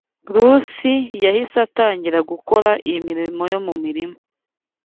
Rusi yahise atangira gukora imirimo yo mu mirima